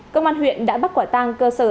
công an huyện đã bắt quả tăng cơ sở